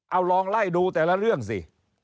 เอาลองไล่ดูแต่ละเรื่องสิ